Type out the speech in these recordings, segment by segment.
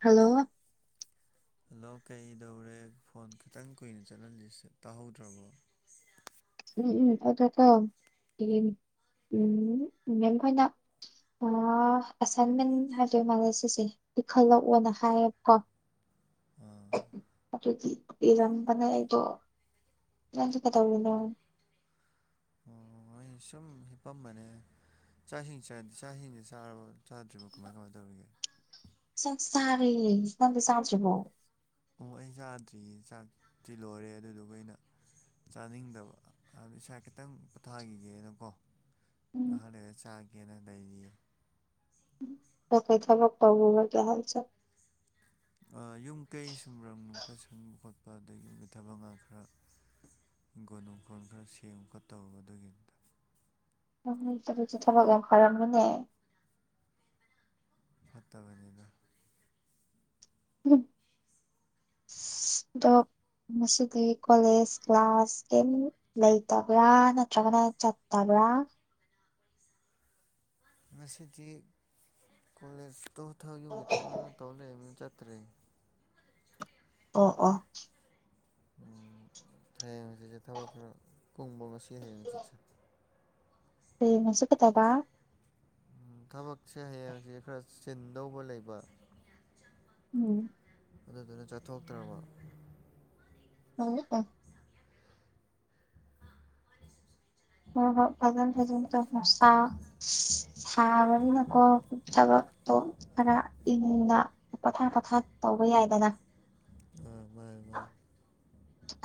hello hello ꯀꯩꯗꯧꯔꯦ phone ꯈꯤꯇꯪ ꯀꯨꯏꯅ ꯆꯠꯍꯜꯂꯤꯦ ꯇꯥꯍꯧꯗ꯭ꯔꯕꯣ [unintelligible] ꯎꯝ ꯑꯣꯗ ꯇ ꯍ ꯎꯝ ꯃꯦꯝ ꯑꯩꯈꯣꯏꯅ ꯑꯁꯥꯏꯟꯃꯦꯟ ꯍꯥꯏꯗꯣꯏ ꯃꯥꯜꯂꯦ ꯁꯤꯁꯦ ꯄꯤꯈꯠꯂꯛꯑꯣꯅ ꯍꯥꯏꯌꯦ ꯀꯣ [inaudible] ꯑꯗꯨꯗꯤ ꯏꯔꯝꯕꯅ ꯑꯩꯗꯣ ꯅꯪꯁꯨ ꯀꯩꯗꯧꯔꯤꯅꯣ ꯃꯣꯏ ꯁꯨꯝ ꯍꯤꯞꯄꯝꯕꯅꯦ ꯆꯥꯛꯁꯤꯡ ꯆ ꯆꯥꯛꯁꯤꯡꯁꯦ ꯆꯥꯔꯕ ꯆꯥꯗ꯭ꯔꯤꯕ ꯀꯃꯥꯏ ꯀꯃꯥꯏꯅ ꯇꯧꯔꯤꯒꯦ ꯁꯁꯥꯔ ꯅꯗ ꯁꯥꯥꯇꯕꯣ ꯑꯣ ꯑꯩ ꯆꯥꯗ꯭ꯔꯤ ꯆꯥꯛꯇꯤ ꯂꯣꯏꯔꯦ ꯑꯗꯨꯗꯨꯒ ꯑꯩꯅ ꯆꯥꯅꯤꯡꯗꯕ ꯑꯗꯨ ꯏꯁꯥ ꯈꯤꯇꯪ ꯄꯣꯊꯥꯈꯤꯒꯦꯅꯀꯣ ꯎꯝ ꯅꯍꯥꯟꯗꯗ ꯆꯥꯒꯦꯅ ꯂꯩꯔꯤ ꯇ ꯀꯩ ꯊꯕꯛꯄꯥꯎ ꯅ ꯀ ꯍꯜ ꯆ ꯌꯨꯝ ꯀꯩ ꯁꯨꯝꯕꯝ ꯈꯔ ꯁꯪꯕ ꯈꯣꯠꯄ ꯑ ꯌꯨꯝꯒꯤ ꯊꯕꯛ ꯉꯥ ꯈꯔ ꯒꯣꯜꯅꯨꯡꯈꯣꯟ ꯈꯔ ꯁꯦꯝꯃꯨ ꯈ ꯇꯧꯔꯨ ꯑꯗꯨꯒꯤꯗꯨꯗ ꯄꯁꯨ ꯊꯕꯒ ꯈꯔꯞ ꯃꯅꯦ ꯍꯥꯠꯇꯕꯅꯤꯗ ꯎꯝ [inaudible] ꯗꫭꯕ ꯃꯁꯤꯗꯤ ꯀꯣꯂꯦꯖ ꯀ꯭ꯂꯥꯁ ꯀꯩꯝ ꯂꯩꯇꯕ꯭ꯔꯥ ꯅꯠꯇ꯭ꯔꯒꯅ ꯆꯠꯇꯕꯥ ꯗꯥ ꯉꯁꯤꯗꯤ ꯀꯣꯂꯦꯖ ꯇ ꯊꯕ ꯌꯨꯝꯒꯤ ꯊꯕꯛꯅ ꯇꯧ ꯂꯩ ꯇꯔꯦ ꯑ ꯑ ꯎꯝ ꯍꯌꯦꯡꯁꯤ ꯆꯠꯁꯦ ꯊꯕꯛ ꯈꯔ ꯀꯨꯡꯕ ꯉꯁꯤ ꯍꯌꯦꯡ ꯆꯠꯁꯦ ꯃꯁꯨ ꯀ ꯇꯕ ꯎꯝ ꯊꯕꯛꯁꯦ ꯍꯌꯦꯡꯁ ꯈꯔ ꯆꯤꯟꯗꯧꯕ ꯂꯩꯕ ꯎꯝ ꯑꯗꯨꯗꯨꯅ ꯆꯠꯊꯣꯛꯇ꯭ꯔꯕ ꯍꯥꯏꯔꯑꫭ ꯑꯣ ꯍꯣ ꯐꯖꯥꯟ ꯊꯖꯣ ꯃꯁꯥ ꯁꯥꯕꯕꯤ ꯅꯀ ꯊꯕ ꯈꯔ ꯏꯪꯅ ꯄꯊꯥꯞ ꯄꯊꯥ ꯇꯧꯕ ꯌꯥꯏꯗꯅ ꯑ ꯃꯥ ꯃꯥ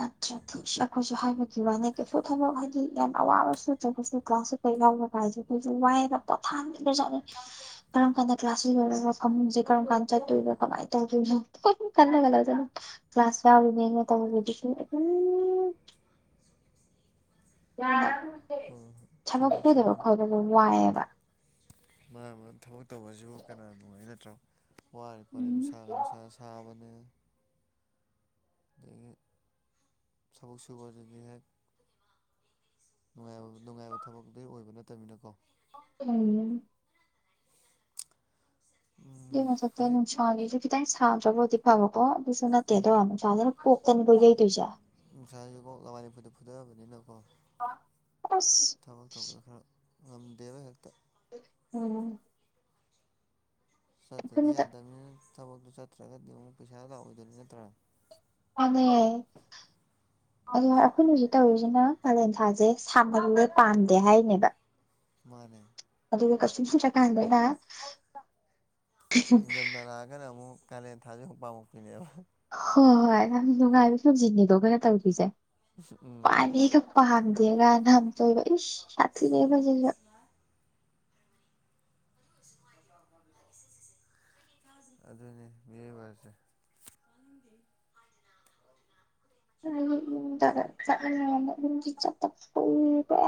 ꯑꯠ ꯊꯁ ꯑꯩꯈꯣꯏꯁꯨ ꯍꯥꯏꯕꯒꯤ ꯋꯥꯅꯦ ꯀꯩꯁꯨ ꯊꯕꯛ ꯍꯥꯏꯗꯤ ꯌꯥꯝ ꯑꯋꯥꯕꯁꯨ꯭ꯔꯒꯁꯨ ꯀ꯭ꯂꯥꯁ ꯑꯩꯈꯣꯏꯁꯨ ꯋꯥꯏꯑꯦꯅ ꯄꯣꯊ ꯆꯠ ꯀꯔꯝ ꯀꯥꯟꯗ ꯀ꯭ꯂꯥꯁ ꯂꯣꯏꯔꯒꯦ ꯀꯥꯟ ꯇ ꯀꯃꯥꯏ ꯇ ꯀꯥꯟꯒ ꯀ꯭ꯂꯥꯁ ꯌꯥꯗꯤ ꯎꯝ ꯍꯣꯏ ꯍꯣꯏ ꯊꯕꯛ ꯆꯨꯝꯃꯤ ꯄꯨꯗꯕ ꯆꯨꯝꯃꯤ ꯈꯣꯗꯕ ꯋꯥꯏꯑꯦꯕ ꯃꯥꯅ ꯃꯥꯅ ꯋꯥꯔꯄꯅꯤ ꯎꯝ ꯅꯨꯡꯁꯥꯒ ꯅꯨꯡꯁꯥꯒ ꯁꯥꯕꯅꯤ ꯌꯦꯉ ꯁꯃꯛ ꯁꯕ ꯑꯗꯨꯕꯤ ꯍꯦ ꯅꯨꯡꯕ ꯅꯨꯡꯉꯥꯏꯕ ꯊꯕꯛꯇꯗꯨ ꯑꯣꯏꯕ ꯅꯠꯇꯕꯅꯤꯅꯀꯣ ꯎꯝ ꯎꯝ ꯁꯛꯇꯣꯏ ꯍꯧꯖꯤꯛ ꯑꯅꯤꯁꯨ ꯐꯤ ꯇꯇꯩ ꯁꯥꯥ ꯣꯗꯤ ꯐꯥꯕꯣ ꯑꯗꯨꯁꯨꯅ ꯊꯦꯔ ꯍꯥꯜ ꯑ ꯈ ꯆꯕꯨ ꯌꯥꯏ ꯇꯨꯖꯥ ꯅꯨꯡꯁꯥꯁꯨꯐꯥꯎ ꯂꯋꯥꯏꯅꯤꯨ ꯐꯨꯊꯑꯕꯅꯤꯅꯀꯣ ꯑꯁ ꯅꯝ ꯗꯦꯕ ꯍꯛꯇ ꯎꯝ ꯆꯠꯇꯗꯤ ꯑꯩꯈꯣꯏꯅ ꯌꯥꯗꯕꯅꯤꯅ ꯊꯕꯛꯇꯨ ꯆꯠꯇ꯭ꯔꯒꯗꯤ ꯑꯃꯨꯛ ꯄꯩꯁꯥ ꯂꯥꯛꯑꯣꯏꯗꯣꯏꯅꯤ ꯅꯠꯇ꯭ꯔꯥ ꯑꯗ ꯑꯩꯈꯣꯏꯅ ꯍꯧꯖꯤꯛ ꯇꯧꯔꯤꯁꯤꯅ ꯄꯥꯂꯦꯟꯊꯥꯁꯦ ꯁꯥꯍꯜꯂꯦ ꯄꯥꯝꯗꯦ ꯍꯥꯏꯅꯦꯕ ꯃꯥꯅꯦ ꯀꯁ ꯆꯀꯗꯅ ꯏꯖꯝꯗ ꯂꯥꯛꯑꯒꯅ ꯑꯃꯨꯛ ꯀꯥꯏꯂꯦꯟ ꯊꯥꯖ ꯍꯨꯛꯄꯥꯃꯨ ꯄꯤꯅꯦꯕ ꯍꯣꯏ ꯍꯣꯏ ꯌꯥꯝ ꯅꯨꯡꯉꯥꯏꯕ ꯐꯖꯤꯟꯅꯤꯗꯣ ꯀꯩꯅꯣ ꯇꯧꯗꯣꯏꯁꯦ ꯎꯝ ꯄꯅꯤ ꯀ ꯄꯥꯔ ꯒꯅꯥꯝꯕ ꯁꯥ ꯂꯩꯕ ꯑꯗꯨꯅꯤ ꯃꯤꯑꯣꯏꯕꯁꯦ ꯆ ꯐ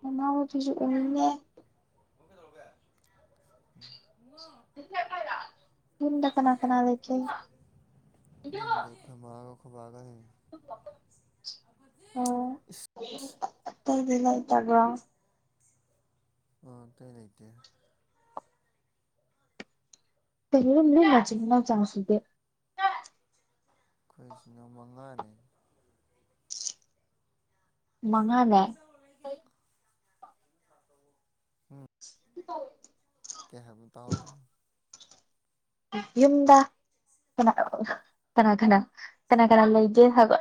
ꯃꯅꯥ ꯍꯧꯊꯁꯨ ꯎꯅꯤꯡꯉꯦ ꯍꯗ ꯀꯅꯥ ꯀꯅꯥ ꯔ ꯒ ꯈꯕꯥꯒꯁꯦ ꯑꯣ ꯏꯁ ꯑꯠꯇꯗꯂꯥꯏ ꯇꯒ ꯑꯣ ꯇ ꯂꯩꯇ ꯇꯅ ꯃꯆꯤꯡꯟꯅ ꯆꯪꯁꯗꯦ ꯑꯩꯈꯣꯏꯁꯤꯅ ꯃꯉꯥꯅꯤ ꯃꯉꯥꯅꯦ ꯎꯝ ꯍ ꯀꯦ ꯍꯥꯏ ꯇꯍꯗꯣ ꯌꯨꯝꯗ ꯀꯅꯥ ꯀꯅꯥ ꯀꯅꯥ ꯀꯅꯥ ꯀꯅꯥ ꯂꯩꯒꯦ ꯍꯥꯏꯕ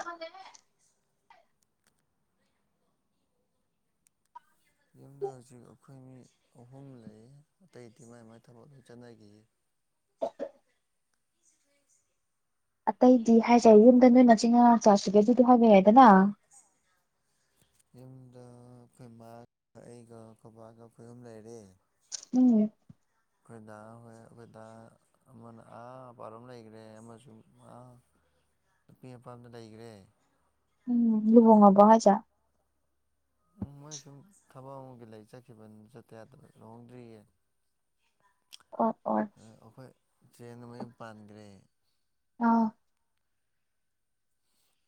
ꯌꯨꯝꯗ ꯍꯧꯖꯤꯛ ꯑꯩꯈꯣꯏ ꯃꯤ ꯑꯍꯨꯝ ꯂꯩꯌꯦ ꯑꯇꯩꯗꯤ ꯃꯥꯏ ꯃꯥꯏ ꯊꯕꯛ ꯂꯣꯏ ꯆꯠꯅꯈꯤ ꯑꯇꯩꯗꯤ ꯍꯥꯏꯖꯩ ꯌꯨꯝꯗ ꯅꯣꯏ ꯃꯆꯤꯡꯉ ꯆꯥꯁꯤꯒꯦ ꯑꯗꯨꯗ ꯍꯥꯏꯕ ꯌꯥꯏꯗꯅ ꯌꯨꯝꯗ ꯑꯩꯈꯣꯏ ꯏ ꯃꯥꯒ ꯑꯩꯒ ꯑꯩꯈꯣꯏ ꯕꯥꯒ ꯑꯩꯈꯣꯏ ꯌꯨꯝ ꯂꯩꯔꯦ ꯎꯝ ꯑꯩꯈꯣꯏ ꯍꯣꯏ ꯑꯩꯈꯣꯏ ꯑꯃꯅ ꯑꯥ ꯄꯥꯔ ꯑꯃ ꯂꯩꯈ꯭ꯔꯦ ꯑꯃꯁꯨꯡ ꯅꯨꯄꯤ ꯃꯄꯥꯝꯗ ꯂꯩꯈ꯭ꯔꯦ ꯎꯝ ꯂꯕꯉ ꯖꯥ ꯎ ꯃꯣꯏ ꯁꯨꯝ ꯊꯕꯛ ꯑꯃꯒꯤ ꯂꯩ ꯆꯠꯈꯤꯕꯅꯤ ꯆꯠꯇꯦꯗꯅ ꯂꯨꯍꯣꯡꯗ꯭ꯔꯤꯌꯦ ꯑꯣ ꯑꯣ ꯆꯦꯟ ꯃ ꯄꯥꯟꯈ꯭ꯔꯦ ꯑꯥ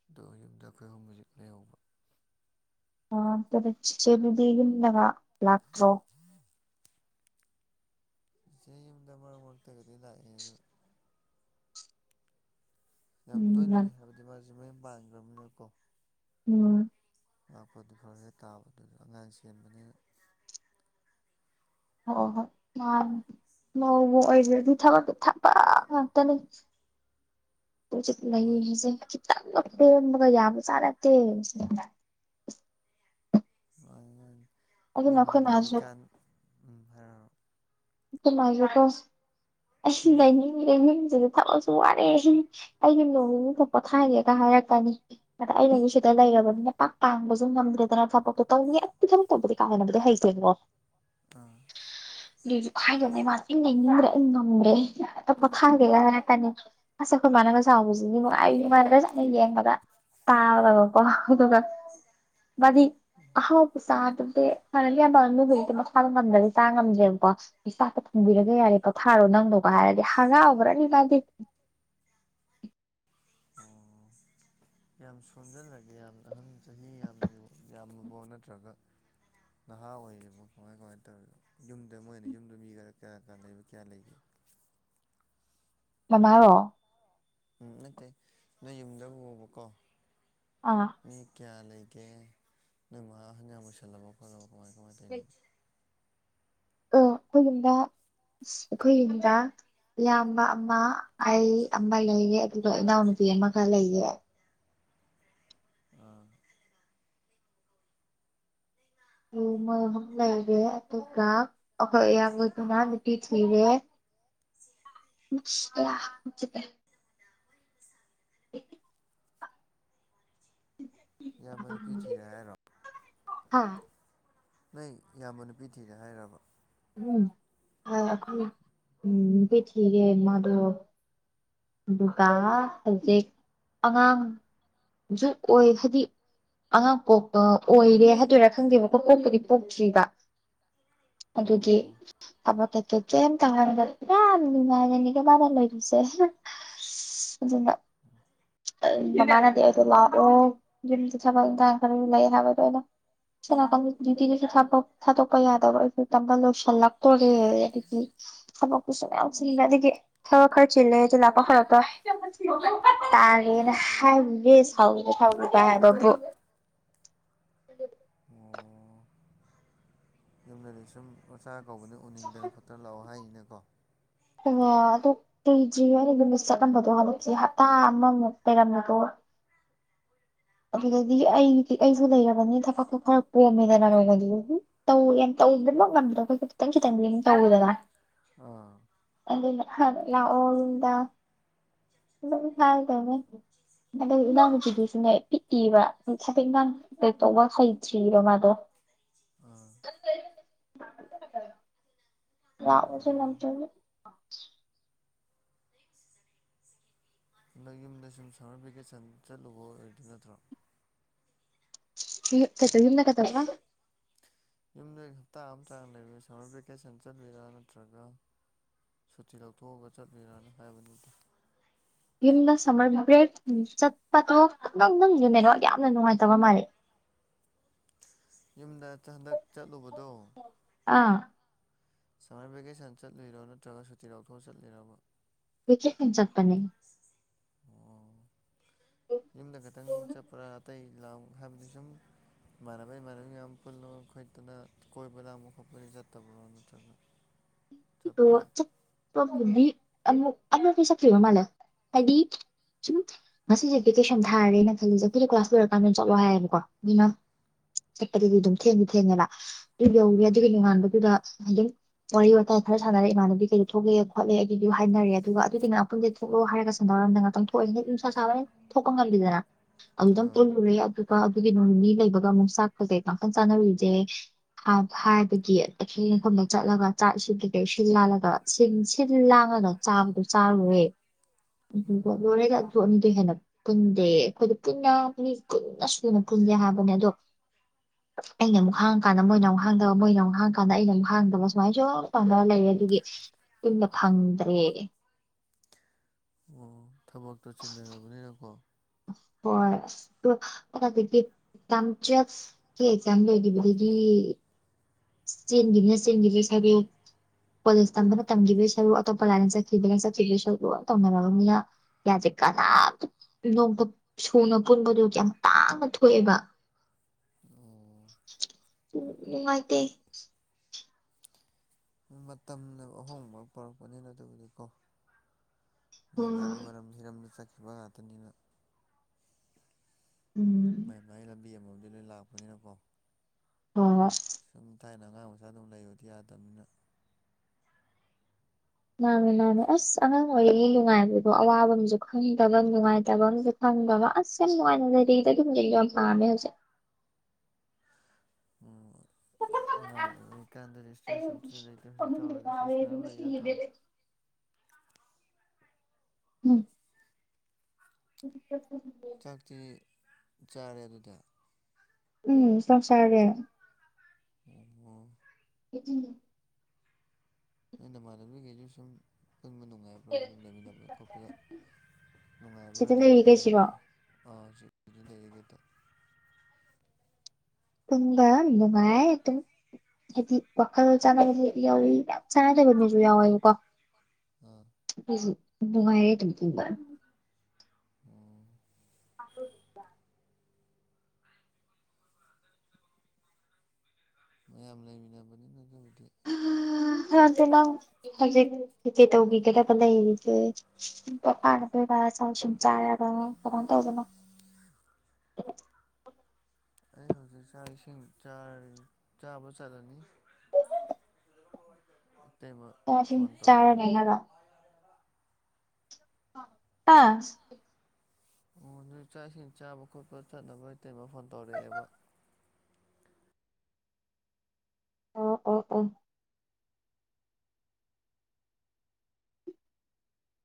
ꯑꯗꯣ ꯌꯨꯝꯗ ꯑꯩꯈꯣꯏꯍꯨꯝ ꯍꯧꯖꯤꯛꯅꯩ ꯌꯧꯕ ꯑ ꯆꯦꯗꯒꯂꯉ ꯭ꯂꯥꯛ ꯊ꯭ꯔꯣ ꯏꯁꯩꯆ ꯌꯨꯝꯗ ꯃꯔꯛ ꯃꯔꯛꯇꯒꯗꯤ ꯂꯥꯛꯑꯦꯅ ꯌꯥꯝ ꯇꯣꯏꯅꯗꯤ ꯎꯝ ꯍꯥꯏꯕꯗꯤ ꯃꯥꯁꯦ ꯃꯌ ꯄꯥꯟꯈ꯭ꯔꯕꯅꯤꯅꯀꯣ ꯎꯝ ꯉꯥꯛꯄꯗꯤ ꯐꯔ ꯈꯔ ꯇꯥꯕ ꯑꯗꯨꯗ ꯑꯉꯥꯡ ꯁꯦꯝꯕꯅꯤꯅ ꯍ ꯍꯣ ꯉ ꯑꯣꯏꯔꯗꯤ ꯊꯕꯛꯇꯨ ꯊꯕ ꯉꯥꯛꯇꯅꯦ [inaudible] ꯀ ꯆꯠ ꯃꯥ ꯂꯌꯦꯁꯦ ꯆ ꯃꯒ ꯌꯥꯕꯨ ꯆꯅ ꯑꯗꯨ ꯑꯗꯨꯅ ꯌꯨꯝꯗ ꯑꯩꯈꯣꯏ ꯃꯥꯁꯨ ꯂꯩꯔꯤꯀꯥꯟ ꯎꯝ ꯍꯥꯏꯔꯑꯣ ꯉꯥꯏꯕꯀꯣ ꯑ ꯎꯝ ꯂꯩꯅꯤꯡ ꯂꯩꯅꯤꯡꯁꯤ ꯊꯕꯛꯁꯨ ꯋꯥꯔꯦ ꯑꯩꯒꯤ ꯅꯣꯡꯊ ꯄꯣꯊꯥꯏꯔꯦꯒ ꯍꯥꯏꯔꯛꯀꯅꯤ ꯑꯗ ꯑꯩꯅꯁꯨ ꯁꯤꯗ ꯂꯩꯔ ꯕꯅꯤꯅ ꯄꯥꯛ ꯇꯥꯡꯕꯁꯨ ꯉꯝꯗ꯭ꯔꯦꯗꯅ ꯊꯕꯛꯇꯣ ꯇꯧꯅꯤ ꯑꯗꯨ ꯊꯕꯛ ꯇꯧꯕꯗꯤ ꯀꯥꯗꯅꯕꯗꯤ ꯍꯩꯁꯦꯉꯣ ꯇꯣ [unintelligible] ꯗꯅꯦ ꯃꯥꯁ ꯂꯩꯅꯤꯡꯗ꯭ꯔꯦ ꯑꯩ ꯉꯝꯒꯦ ꯄꯣꯊꯥꯡꯒꯦꯒ ꯉꯇꯥꯅꯤ ꯑꯁ ꯑꯩꯈꯣꯏ ꯃꯥꯟꯅꯕ ꯇ ꯅꯨꯡꯉꯥꯏꯅꯒ ꯁꯅ ꯌꯦꯡꯕꯗ ꯇꯥꯕꯗꯕꯀꯣ ꯑꯗꯨꯒ ꯃꯗꯤ ꯑꯍꯥꯎ ꯆꯥꯗꯗꯤ ꯍꯥꯟꯅꯗꯤ ꯑꯌꯥꯝꯕꯅꯨ ꯍꯖꯤꯛꯇ ꯃꯈꯥꯕ ꯉꯝꯗ꯭ꯔꯗꯤ ꯆꯥ ꯉꯝꯗ꯭ꯔꯦꯕꯀꯣ ꯆꯥꯛꯇ ꯑꯥ ꯐꯪꯕꯤꯔꯒ ꯌꯥꯔꯦ ꯄꯣꯊꯥꯔꯣ ꯅꯪꯗꯣꯒ ꯍꯥꯏꯔꯗꯤ ꯍꯔꯥꯎꯑꯕ꯭ꯔꯥꯅꯤ ꯃꯥꯗꯤ [unintelligible] ꯑꯣ ꯌꯥꯝ ꯁꯣꯟꯖꯜꯂꯒꯦ ꯌꯥꯝ ꯑꯍꯟ ꯆꯍꯤ ꯌꯥꯝ ꯌꯥꯝꯂꯨꯕꯣ ꯅꯠꯇ꯭ꯔꯒ ꯅꯍꯥ ꯑꯣꯏꯔꯤꯕꯔꯤꯕ ꯀꯃꯥꯏ ꯀꯃꯥꯏꯅ ꯇꯧꯔꯤꯅ ꯌꯨꯝꯗ ꯃꯣꯏꯅ ꯌꯨꯝꯗ ꯃꯤ ꯀꯌꯥ ꯀ ꯂꯩꯕ ꯀꯌꯥ ꯂꯩꯒꯦ [unintelligible] ꯃꯔꯣ ꯎꯝ ꯅꯠꯇꯦ ꯅꯣꯏ ꯌꯨꯝꯗ ꯎꯕꯀꯣ ꯑꯥ ꯀꯌꯥ ꯂꯩꯒꯦ ꯅꯣꯏ ꯃꯥ ꯍꯟꯖꯥꯡ ꯃꯁꯜꯂꯕ ꯈꯣꯠꯂꯕ ꯀꯃꯥꯏ ꯀꯃꯥꯏꯅ ꯇꯧꯅꯣ ꯑ ꯐꯗ ꯐꯣꯏꯗ ꯏꯌꯥꯝꯕ ꯑꯃ ꯑꯩ ꯑꯃ ꯂꯩꯒꯦ ꯑꯗꯨꯒ ꯏꯅꯥꯎꯅꯨꯄꯤ ꯑꯃꯈꯛ ꯂꯩꯒꯦ ꯑꯥ ꯨ ꯃꯣꯏ ꯑꯍꯨꯝ ꯂꯩꯔꯦ ꯑꯗꯨꯒ ꯑꯩꯈꯣꯏ ꯑꯌꯥꯝꯕꯗꯨꯅꯥ ꯇꯤ ꯊꯤꯔꯦ ꯗ ꯌꯥ ꯃꯅꯤ ꯄꯤ ꯊꯤꯔꯔꯣ ꯑꯥ ꯅꯣꯏ ꯏꯌꯥꯝꯕ ꯅꯨꯄꯤ ꯊꯤꯔꯦ ꯍꯥꯏꯔꯕ ꯎꯝ ꯎꯝ ꯄꯤꯊꯒ ꯃꯥꯗꯨ ꯑꯗꯨꯒ ꯍꯧꯖꯤꯛ ꯑꯉꯥꯡ ꯑꯣꯏ ꯍꯥꯏꯗꯤ ꯑꯉꯥꯡ ꯄꯣꯛꯄ ꯑꯣꯏꯔꯦ ꯍꯥꯏꯗꯣꯏꯔꯥ ꯈꯪꯗꯦꯕꯀꯣ ꯄꯣꯛꯄꯨꯗꯤ ꯄꯣꯛꯇ꯭ꯔꯤꯕ ꯑꯗꯨꯗꯤ ꯑꯣ ꯑꯕꯣ ꯊ ꯇ ꯀꯒ ꯏ ꯃꯤꯃꯥꯏꯖ ꯀꯦꯕꯥ ꯂꯣꯏꯗꯨꯣꯏꯁꯦ ꯑꯗꯨꯅ ꯃꯅꯗꯤ ꯇ ꯂ ꯑꯣ ꯈꯔ ꯂꯩ ꯍꯥꯏꯕ ꯇ ꯆꯂ ꯌꯗꯤꯗꯨꯁꯨ ꯊꯥ ꯊꯥꯇ ꯀꯩ ꯌꯥꯗ ꯑꯣꯏꯔ ꯇ ꯂꯧꯣꯛꯁꯥꯟ ꯂꯥꯛꯇꯣꯔꯒꯦ ꯑꯗꯒꯤ ꯊꯛꯁꯨ ꯃꯌꯥꯝꯁꯤꯅꯗꯒꯤ ꯈꯔ ꯈꯔ ꯆꯦꯜꯂꯦ ꯄꯣꯈꯔꯇ ꯇꯔꯅꯦ ꯇꯥꯒꯦꯅ ꯍꯥꯏꯕꯒꯦ ꯁꯥꯎꯒꯦ ꯍꯥꯏꯒꯤꯒꯦ ꯁꯥꯎ ꯁꯥꯎꯕ ꯍꯥꯏꯕꯕꯨ ꯇꯨꯝꯅꯗꯤ ꯁꯨꯝ ꯃꯆꯥ ꯀꯧꯕꯅ ꯎꯅꯤꯡꯗꯅ ꯈꯣꯠꯇꯅ ꯂꯥꯛꯑꯣ ꯍꯥꯏꯅꯀꯣ ꯑꯗꯨ ꯀꯔꯤꯗ꯭ꯔꯤ ꯍꯥꯏ ꯌꯨꯝꯗ ꯆꯠꯂꯝꯕꯗꯣ ꯍꯟꯂꯛꯁꯦ ꯍꯞꯇꯥ ꯑꯃꯃꯨꯛ ꯂꯩꯩꯔꯝꯕꯗꯣ ꯑꯗꯨꯗꯤ ꯑꯩ ꯑꯩꯁꯨ ꯂꯩꯔꯕꯅꯤ ꯊꯕꯛꯇꯣ ꯈꯔ ꯄꯣꯝꯃꯦꯗꯅ ꯅꯣꯡꯃꯗꯨ ꯑꯗꯨ ꯇꯧꯦꯧ ꯇ ꯉꯝꯗ꯭ꯔꯣ ꯑꯩꯣꯏ ꯇꯪꯁꯤꯈꯤ ꯇꯦꯡ ꯇꯧꯗꯅ ꯑ ꯑꯗꯨ ꯂ ꯑꯣꯗ ꯍꯥꯏꯗꯅꯦ ꯑꯗ ꯏꯅꯥꯎ ꯃꯆꯗꯨꯁꯨꯅꯦ ꯄꯤꯛꯏꯕ ꯁꯥꯐꯛ ꯏꯥꯡ ꯇꯧꯕ ꯍꯩꯇ꯭ꯔꯤꯔꯤꯕ ꯃꯥꯗꯣ [unintelligible] [unintelligible] ꯔꯕꯁ ꯅꯝ ꯑꯣ ꯆ ꯗ ꯌꯨꯝꯗ ꯁꯨꯝ ꯁꯝꯃꯔ ꯚꯦꯀꯦꯁꯟ ꯆꯠꯂꯨꯕ ꯑꯣꯏꯗꯨ ꯅꯠꯇ꯭ꯔꯣ ꯆꯠꯇ ꯏꯗ ꯀꯗꯕ ꯌꯨꯝꯗ ꯍꯞꯇꯥ ꯑꯃ ꯆꯥꯡ ꯂꯩꯕꯤ ꯁꯃꯔ ꯚꯦꯀꯦꯁꯟ ꯆꯠꯕꯤꯔ ꯅꯠꯇ꯭ꯔꯒ ꯁꯨꯇꯤ ꯂꯧꯊꯣꯛꯑꯒ ꯆꯠꯂꯤꯔꯅ ꯍꯥꯏꯕꯗꯨꯗ ꯌꯨꯝꯗ ꯁꯝꯃꯔ ꯕ꯭ꯔꯦꯛ ꯆꯠꯄꯗꯣ ꯪ ꯅꯪꯁ ꯃꯗ ꯌꯥꯝꯅ ꯅꯨꯡꯉꯥꯏꯇꯕ ꯃꯥꯜꯜꯂꯤꯦ [unintelligible] ꯌꯨꯝꯗ ꯍꯟꯗꯛ ꯆꯠꯂꯨꯕꯗꯣ ꯑꯥ ꯁꯝꯃꯔ ꯚꯦꯀꯦꯁꯟ ꯆꯠꯂꯤꯔꯣ ꯅꯠꯇ꯭ꯔꯒ ꯁꯨꯇꯤ ꯂꯧꯥꯎꯊꯣꯛꯑ ꯆꯠꯂꯤꯔꯕ ꯆ ꯆꯠꯄ ꯑꯣ ꯌꯨꯝꯗ ꯈꯤꯇꯪ ꯆꯠꯄ꯭ꯔꯥ ꯑꯇꯩ ꯂ ꯍꯥꯏꯕꯗꯤ ꯁꯨꯝ ꯃꯅꯅꯕꯩ ꯃꯔꯥꯟꯕꯤ ꯌꯥꯝ ꯄꯨꯜꯂ ꯈꯗꯅ ꯀꯣꯏꯕ ꯑꯃꯨꯛ ꯈ ꯑꯩꯈ ꯆꯠꯠꯇꯕ ꯇ ꯏ ꯆꯄ ꯑ ꯑ ꯄꯩ ꯆ ꯃꯥꯂ ꯍꯥꯏꯗꯤ ꯁꯨꯝ ꯉꯁꯤꯁꯦ ꯚꯦꯀꯦꯁꯟ ꯊꯥꯔꯦꯅ ꯈꯜꯂꯤꯁꯦ ꯑꯩꯈꯣꯏꯅ ꯀ꯭ꯂꯥꯁ ꯂꯣꯏꯔꯀꯥꯟꯗ ꯆꯠꯂꯣ ꯍꯥꯏꯌꯦꯕꯀꯣ ꯑꯗꯨꯅ ꯆꯠꯄꯗꯗꯤ ꯑꯗꯨꯝ ꯊꯦꯡꯉ ꯊꯦꯡꯉꯦꯅ ꯑꯗꯨ ꯌꯧꯏꯤ ꯑꯥ ꯑꯗꯨꯒ ꯅꯣꯉꯥꯟꯕꯗꯨꯗ ꯑꯗꯨꯝ ꯋꯥꯔꯤ ꯋꯥꯇꯥꯏ ꯈꯔ ꯁꯥꯟꯅꯔꯦ ꯏꯃꯥꯟꯗꯨꯗꯤꯩꯗ ꯊꯣꯛꯛꯑꯦ ꯈꯣꯠꯂꯦꯒꯤꯁꯨ ꯍꯥꯏꯅꯔꯦ ꯑꯗꯨꯒ ꯑꯗꯨꯗꯤ ꯉꯥꯛꯄꯟꯦ ꯊꯣꯛꯂꯑꯣ ꯍꯥꯏꯒ ꯁꯥꯟꯅꯔꯝꯗ ꯉꯥꯛꯇꯪ ꯊꯣꯛꯑꯦ ꯟꯁꯥ ꯁꯥꯕ ꯍ ꯊꯣꯛꯄ ꯉꯝꯈꯤꯗꯅ ꯑꯃꯨꯛꯇꯪ ꯑꯥ ꯄꯨꯜꯂꯨꯔꯦ ꯑꯗꯨꯒ ꯑꯗꯨꯒꯤ ꯅꯣꯡꯅꯤ ꯂꯩꯕꯒ ꯑꯃꯨꯛ ꯆꯥꯛꯄꯁꯦ ꯀꯥꯡꯈꯟ ꯆꯥꯟꯅꯔꯤꯁꯦ ꯍꯥꯏꯕꯒꯤ ꯑꯈꯦꯡ ꯃꯐꯝꯗ ꯆꯠꯂꯒ ꯆꯥꯛꯁꯤꯗꯒꯤ ꯁꯤꯜꯂꯥꯜꯂꯒ ꯁꯤꯜꯂꯥꯜꯂꯗ ꯆꯥꯕꯗꯣ ꯆꯥꯔꯨꯔꯨꯔꯦ ꯑꯥ ꯎꯅꯦꯅꯤꯗꯨ ꯍꯦꯅ ꯄꯨꯟꯗꯦ ꯑꯩꯈꯣꯏꯗ ꯄꯨꯟꯅ ꯄꯨꯟꯅ ꯁꯨꯅ ꯄꯨꯟꯗꯦ ꯍꯥꯏꯕꯅꯦ ꯑꯗꯣ ꯑꯩꯅ ꯑꯃꯨꯛ ꯍꯥꯡꯉ ꯀꯥꯟꯗ ꯃꯣꯏꯅ ꯑꯃꯨꯛ ꯍꯥꯡꯗꯕ ꯃꯣꯏꯅ ꯑꯃꯨꯛ ꯍꯥꯡ ꯀꯥꯟꯗ ꯑꯩꯅ ꯑꯃꯨꯛ ꯍꯥꯡꯗꯕ ꯁꯨꯃꯥꯏꯅꯁꯨ ꯄꯂ ꯂꯩ ꯑꯗꯨꯒꯤ ꯄꯨꯟꯅ ꯐꯪꯗ꯭ꯔꯦ ꯑꯣ ꯊꯕꯛꯇꯣ ꯆꯤꯟꯟꯅꯔꯕꯅꯤꯅꯀꯣ ꯍꯣꯏ ꯑꯁꯗꯒꯤꯝ ꯑꯦꯛꯖꯥꯝ ꯂꯩꯈꯤꯕꯗꯒꯤ ꯆꯦꯟꯒꯤꯅ ꯆꯦꯟꯒꯤ ꯄꯩꯁꯥꯕꯤ ꯀꯣꯂꯦꯖ ꯇꯝꯕꯅ ꯇꯝꯈꯤꯕꯩ ꯁꯔꯨ ꯑꯇꯣꯞꯄ ꯂꯥꯏꯅ ꯆꯠꯈꯤꯕꯅ ꯆꯠꯈꯤꯕꯩ ꯁꯔꯨ ꯇꯧꯅꯔꯕ ꯃꯤꯅ ꯌꯥꯖꯦ ꯀꯅꯥꯝꯇ ꯅꯣꯡꯇ ꯁꯨꯅ ꯄꯨꯟꯕꯗꯨ ꯌꯥꯝ ꯇꯥꯡꯅ ꯊꯣꯛꯑꯦꯕ ꯑꯣ ꯎ ꯅꯨꯡꯉꯥꯏꯇ ꯃꯇꯝꯅ ꯑꯍꯣꯡꯕ ꯄꯔꯛꯄꯅꯤꯅ ꯑꯗꯨꯕꯨꯗꯤꯀꯣ ꯃꯥꯏ ꯎꯝ ꯃꯥꯏꯒꯤ ꯃꯔꯝ ꯍꯤꯔꯝꯗ ꯆꯠꯈꯤꯕ ꯉꯥꯛꯇꯅꯤꯅ ꯎꯝ ꯃꯥꯏ ꯃꯥꯏ ꯂꯝꯕꯤ ꯑꯃꯕꯨ ꯂꯣꯏ ꯂꯥꯛꯄꯅꯤꯅꯀꯣ ꯑ ꯁꯨꯝ ꯊꯥꯏꯅ ꯑꯉꯥꯡ ꯑꯣꯏꯒꯟꯗꯨ ꯑꯗꯨꯝ ꯂꯩꯕꯗꯤ ꯌꯥꯗꯕꯅꯤꯅ ꯃꯥꯅꯦ ꯃꯅꯦ ꯑꯁ ꯑꯉꯥꯡ ꯑꯣꯏꯔꯤꯉꯩ ꯅꯨꯡꯉꯥꯏꯕꯗꯣ ꯑꯋꯥꯕ ꯑꯝꯁꯨ ꯈꯪꯗꯕ ꯅꯨꯡꯉꯥꯏꯇꯕ ꯑꯃꯁꯨ [unintelligible] [unintelligible] ꯎꯝ [unintelligible] ꯅꯇꯔꯣ [unintelligible] ꯎꯝ ꯎꯝ ꯆꯥꯛꯇꯤ ꯆꯥꯔꯦ ꯑꯗꯨꯗ ꯎꯝ ꯆꯥꯛ ꯆꯔꯦ ꯎ ꯎꯝ [unintelligible] [unintelligible] ꯄꯨꯟꯕ ꯅꯨꯡꯉꯥꯏꯕ꯭ꯔꯥ ꯑꯗꯨꯝ ꯂꯩꯃꯤꯟꯅꯕ ꯈꯣꯠꯄꯗ ꯅꯨꯡꯉꯥꯏꯕ꯭ꯔꯥ ꯁꯤꯗ ꯑꯗꯨꯝ ꯄꯨꯟꯕ ꯂꯩꯔꯤꯈꯩꯁꯤꯔꯣ ꯂꯩ ꯑꯥ [unintelligible] ꯄꯨꯨꯡꯕ ꯏꯅꯨꯡꯉꯥꯏ ꯇꯨ ꯌꯥꯝ ꯆꯥꯅꯗꯕ ꯃꯤꯁꯨ ꯌꯥꯎꯏ ꯕꯥꯀꯣ ꯑꯥ ꯅꯨꯪꯉꯥꯏ ꯌꯦ ꯑꯗꯨ ꯄꯨꯕ ꯃꯌꯥꯝ ꯂꯩꯃꯤꯟꯅꯕꯅꯤꯅꯠꯇꯕꯨꯗꯤ ꯅꯪ ꯍꯧꯖꯤꯛ ꯀꯩ ꯇꯧꯗꯣꯕꯥ ꯂꯩꯔꯤꯒꯦ [unintelligible] [unintelligible] [inaudible] ꯑꯩ ꯍꯧꯖꯤꯛ ꯆꯥꯛ ꯏꯁꯤꯡ ꯆꯥꯕ ꯆꯠꯂꯅꯤ ꯏꯇꯩꯃ ꯆꯁꯤꯡ ꯐꯣꯟ ꯆꯥꯔꯒ ꯇꯧꯔꯛꯑꯦ ꯍꯥꯏꯔ ꯄꯥ ꯑꯣ ꯅꯣꯏ ꯆꯥꯛ ꯏꯁꯤꯡ ꯆꯥꯛ ꯏꯁꯤꯡ ꯆꯥꯕꯥ ꯆꯠꯅꯕꯥ ꯏꯇꯩꯃꯥ ꯐꯣꯟ ꯇꯧꯔꯛꯑꯦꯕ ꯑ ꯑ ꯑ